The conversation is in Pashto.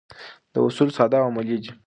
دا اصول ساده او عملي دي.